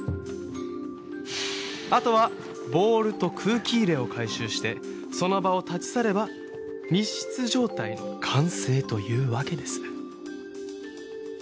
あとはボールと空気入れを回収してその場を立ち去れば密室状態の完成というわけです。